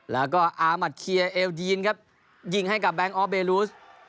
แล้วก็อามัดเคียเอลดีนครับยิงให้กับแก๊งออฟเบลูส